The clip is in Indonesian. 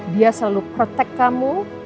dia selalu melindungi kamu